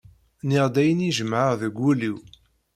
Nniɣ-d ayen i jemɛeɣ deg ul-iw.